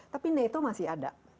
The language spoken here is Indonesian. tapi nato masih ada